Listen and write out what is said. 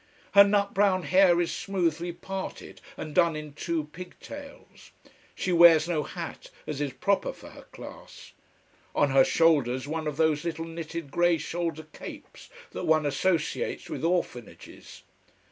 Her nut brown hair is smoothly parted and done in two pigtails. She wears no hat, as is proper for her class. On her shoulders one of those little knitted grey shoulder capes that one associates with orphanages.